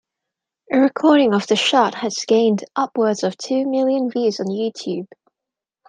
A recording of the shot has gained upwards of two million views on YouTube.